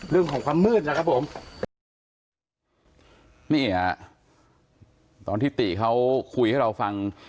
เรื่องของความมืดนะครับผมนี่ฮะตอนที่ติเขาคุยให้เราฟัง